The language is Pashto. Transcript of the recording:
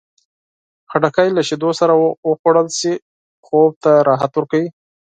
خټکی له شیدو سره وخوړل شي، خوب ته راحت ورکوي.